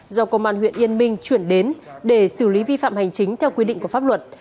do công an huyện yên minh chuyển đến để xử lý vi phạm hành chính theo quy định của pháp luật